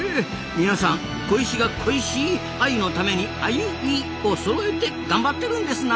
皆さん小石が恋しいアユのためにアユみをそろえて頑張ってるんですなあ。